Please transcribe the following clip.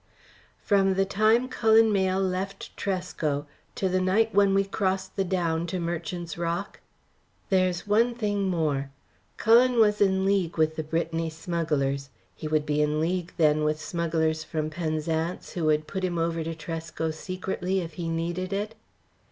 "From the time Cullen Mayle left Tresco to the night when we crossed the Down to Merchant's Rock? There's one thing more. Cullen was in league with the Brittany smugglers. He would be in league, then, with smugglers from Penzance, who would put him over to Tresco secretly, if he needed it?"